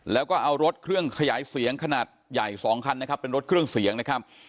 แล้วก็เอารถเครื่องขยายเสียงขนาดใหญ่๒คันนะครับเป็นรถเครื่องเสียงนะครับ